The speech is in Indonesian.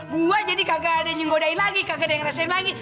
gue jadi kagak ada yang ngodain lagi kagak ada yang ngerasain lagi